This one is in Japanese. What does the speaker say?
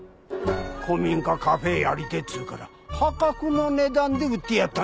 古民家カフェやりてえっつうから破格の値段で売ってやったんだ。